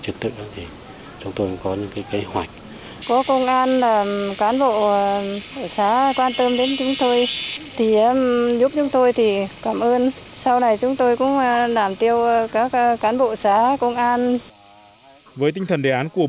với tinh thần đề án của bộ công an công an đã đánh giá là địa bàn phức tạp về an ninh trật tự